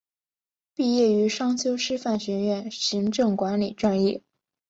毕业于商丘师范学院行政管理专业。